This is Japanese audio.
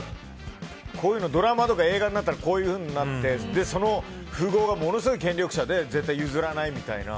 こういうのドラマとか映画になったらこういうふうになってその富豪がものすごい権力者で絶対に譲らないみたいな。